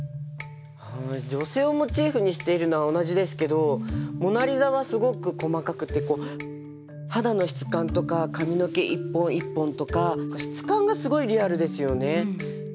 はい女性をモチーフにしているのは同じですけど「モナ・リザ」はすごく細かくて肌の質感とか髪の毛一本一本とか質感がすごいリアルですよね。